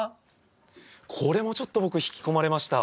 これもちょっと僕引き込まれました